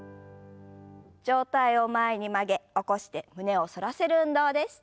上体を前に曲げ起こして胸を反らせる運動です。